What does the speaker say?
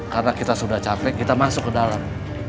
karena kita sudah capek kita masuk ke dalam